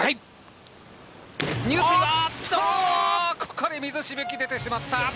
ここで水しぶき出てしまった。